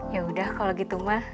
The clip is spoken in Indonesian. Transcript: ya udah kalau gitu mah